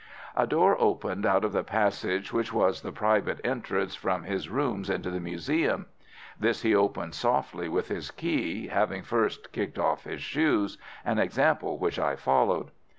A door opened out of the passage which was the private entrance from his rooms into the museum. This he opened softly with his key, having first kicked off his shoes, an example which I followed.